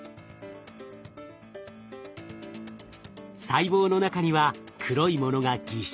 細胞の中には黒いものがぎっしり。